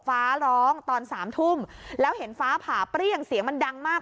ฟ้าร้องตอนสามทุ่มแล้วเห็นฟ้าผ่าเปรี้ยงเสียงมันดังมาก